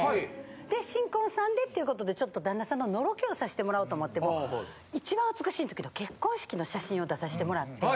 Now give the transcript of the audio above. で新婚さんでっていう事でちょっと旦那さんのノロケをさしてもらおうと思って一番美しい時の結婚式の写真を出さしてもらって。